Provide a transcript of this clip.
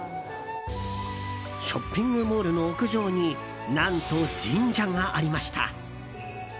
ショッピングモールの屋上に何と神社がありました。